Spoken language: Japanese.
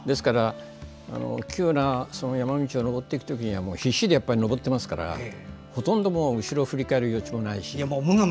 急な山道を登っていくときは必死で登ってますからほとんど後ろを振り返る余地もないし。